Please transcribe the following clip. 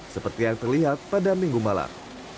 seperti yang terlihat pada minggu malam